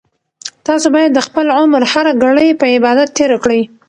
تاسو باید د خپل عمر هره ګړۍ په عبادت تېره کړئ.